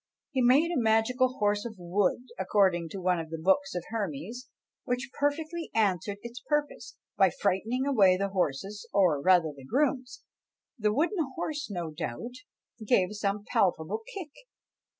He made a magical horse of wood, according to one of the books of Hermes, which perfectly answered its purpose, by frightening away the horses, or rather the grooms! the wooden horse, no doubt, gave some palpable kick.